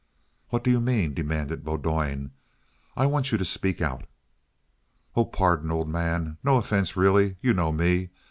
"What do you mean?" demanded Bowdoin. "I want you to speak out." "Oh, pardon, old man. No offense, really. You know me.